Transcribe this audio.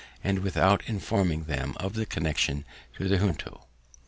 and without informing them of the connection with the Junto.